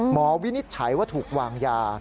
วินิจฉัยว่าถูกวางยา